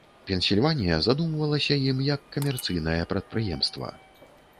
Пенсільванія задумвалася ім як камерцыйнае прадпрыемства.